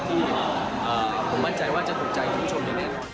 ที่ผมมั่นใจว่าจะถูกใจทุกชมได้แน่นอน